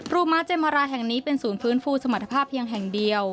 ม้าเจมราแห่งนี้เป็นศูนย์ฟื้นฟูสมรรถภาพเพียงแห่งเดียว